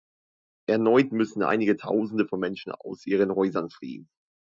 Erneut müssen einige Tausende von Menschen aus ihren Häusern fliehen.